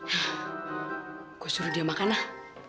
hah gue suruh dia makanlah